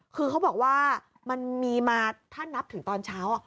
คือเขาบอกว่ามันมีมาถ้านับถึงตอนเช้า